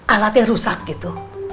alatnya rusak gitu